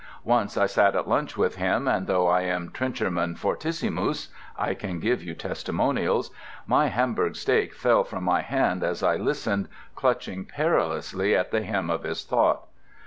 Once I sat at lunch with him, and though I am Trencherman Fortissimus (I can give you testimonials) my hamburg steak fell from my hand as I listened, clutching perilously at the hem of his thought.